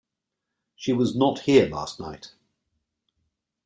She was not here last night.